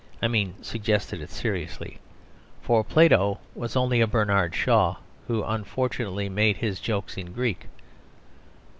I mean suggested it seriously; for Plato was only a Bernard Shaw who unfortunately made his jokes in Greek.